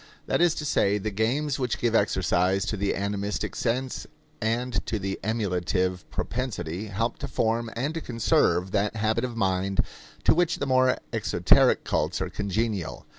That is to say, the games which give exercise to the animistic sense and to the emulative propensity help to form and to conserve that habit of mind to which the more exoteric cults are congenial.